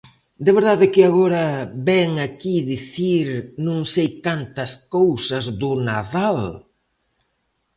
¿De verdade que agora vén aquí dicir non sei cantas cousas do Nadal?